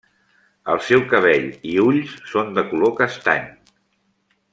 El seu cabell i ulls són de color castany.